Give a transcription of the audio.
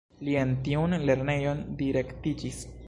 Li en tiun lernejon direktiĝis.